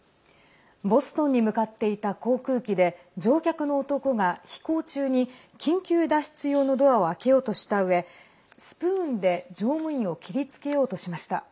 ボストンに向かっていた航空機で、乗客の男が飛行中に緊急脱出用のドアを開けようとしたうえスプーンで乗務員を切りつけようとしました。